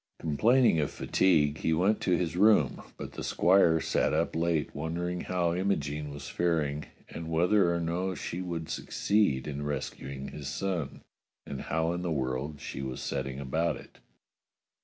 Complaining of fatigue, he went to his room, but the squire sat up late wondering how Imogene was faring, and whether or no she would succeed in rescuing his son, and how in the world she was setting about it.